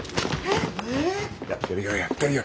やってるよやってるよ